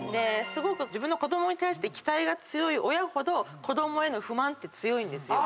自分の子供に対して期待が強い親ほど子供への不満って強いんですよ。